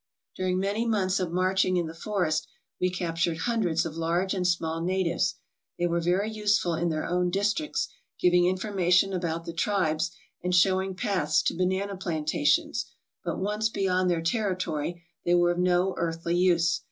During many months of marching in the forest we cap tured hundreds of large and small natives. They were very useful in their own districts, giving information about the tribes, and showing paths to banana plantations, but once beyond their territory they were of no earthly use.